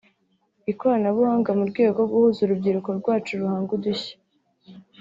ikoranabuhanga mu rwego rwo guhuza urubyiruko rwacu ruhanga udushya